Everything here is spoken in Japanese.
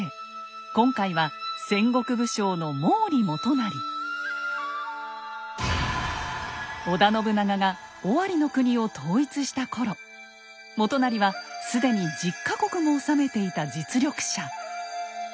今回は織田信長が尾張国を統一した頃元就は既に１０か国も治めていた実力者。